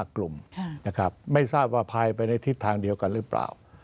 กลุ่มนะครับไม่ทราบว่าภายไปในทิศทางเดียวกันหรือเปล่า